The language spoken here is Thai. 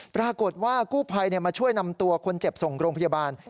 ปรากฏว่ากู้ภัยมาช่วยนำตัวคนเจ็บส่งโรงพยาบาล